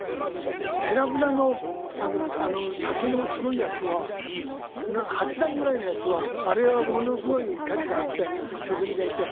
ヘラブナの竹のすごいやつは８段ぐらいのやつはあれはものすごい価値があって職人がいて。